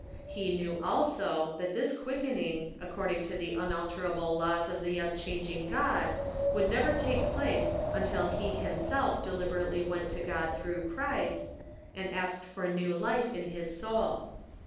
He knew also, that this quickening, according to the unalterable laws of the unchanging God would never take place until he himself delib erately went to God through Christ, and iisked for new life in his soul.